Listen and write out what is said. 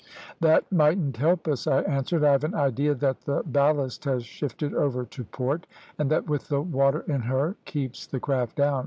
"`That mightn't help us,' I answered; `I've an idea that the ballast has shifted over to port, and that with the water in her keeps the craft down.